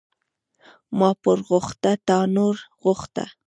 ـ ما پور غوښته تا نور غوښته.